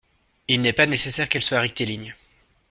Il n’est pas nécessaire qu’elle soit rectiligne.